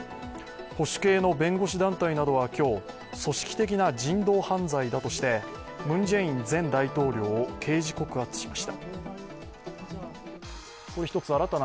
保守系の弁護士団体などは今日、組織的な人道犯罪だとして、ムン・ジェイン前大統領を刑事告発しました。